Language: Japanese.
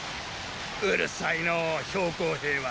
うるさいのォ公兵は。